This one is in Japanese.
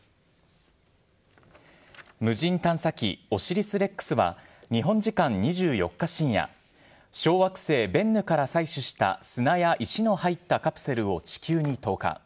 無人探査機オシリス・レックスは、日本時間２４日深夜、小惑星ベンヌから採取した砂や石の入ったカプセルを地球に投下。